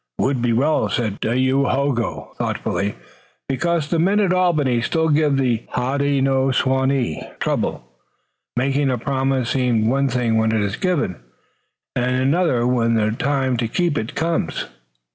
"It would be well," said Dayohogo thoughtfully, "because the men at Albany still give the Hodenosaunee trouble, making a promise seem one thing when it is given, and another when the time to keep it comes."